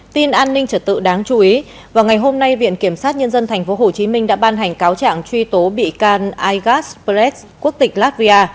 tin an ninh trật tự đáng chú ý vào ngày hôm nay viện kiểm sát nhân dân tp hcm đã ban hành cáo trạng truy tố bị can igaspret quốc tịch latvia